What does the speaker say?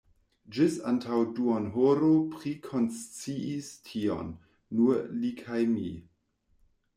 Ĝis antaŭ duonhoro prikonsciis tion nur li kaj mi.